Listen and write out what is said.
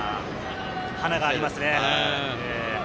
華がありますね。